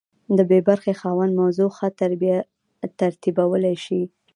د بي برخې خاوند موضوع ښه ترتیبولی شي.